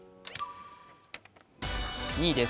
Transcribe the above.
２位です。